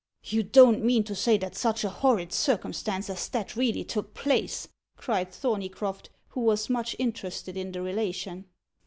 '" "You don't mean to say that such a horrid circumstance as that really took place?" cried Thorneycroft, who was much interested in the relation.